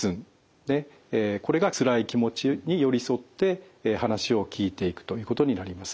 これがつらい気持ちに寄り添って話を聞いていくということになります。